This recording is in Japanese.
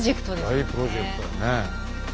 大プロジェクトだね。